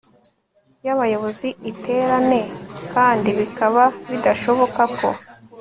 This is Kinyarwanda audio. y abayobozi iterane kandi bikaba bidashoboka ko